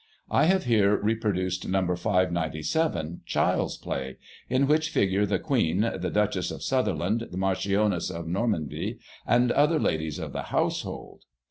I have here reproduced No. 597, " Child's Play," in which figure the Queen, the Duchess of Sutherland, the Marchioness of Normanby, and other ladies of the household.